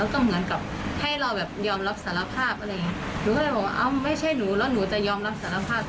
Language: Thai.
ตำรวจสอบส่วนประชาชนอะไรอย่างนี้ค่ะ